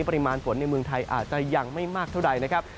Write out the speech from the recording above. ปริมาณฝนในเมืองไทยอาจจะยังไม่มากเท่าใดนะครับ